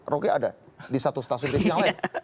roky ada di satu stasiun tv yang lain